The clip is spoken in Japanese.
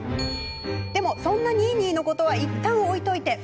でも、そんなニーニーのことはいったん置いといて。